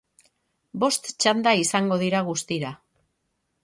Bost txanda izango dira guztira.